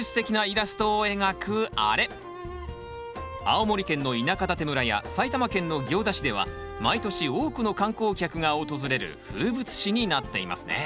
青森県の田舎館村や埼玉県の行田市では毎年多くの観光客が訪れる風物詩になっていますね。